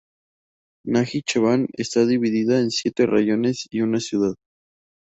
Najicheván está dividida en siete rayones y una ciudad.